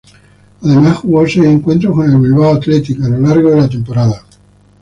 Además, jugó seis encuentros con el Bilbao Athletic a lo largo de la temporada.